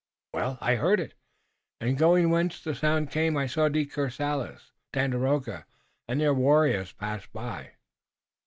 Well, I heard it, and going whence the sound came I saw De Courcelles, Tandakora and their warriors pass by."